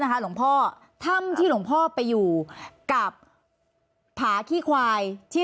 หลวงพ่อถ้ำที่หลวงพ่อไปอยู่กับผาขี้ควายที่